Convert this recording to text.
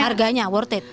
harganya worth it